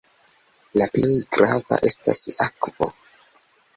La plej grava estas akvo.